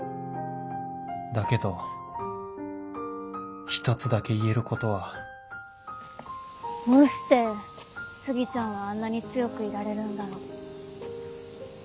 だけど１つだけ言えることはどうして杉ちゃんはあんなに強くいられるんだろう？